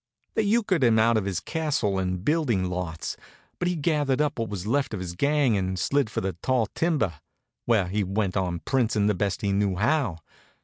They euchred him out of his castle and building lots, but he gathered up what was left of his gang and slid for the tall timber, where he went on princing the best he knew how.